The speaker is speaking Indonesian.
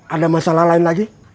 ada masalah lain lagi